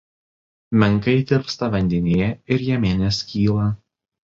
Menkai tirpsta vandenyje ir jame neskyla.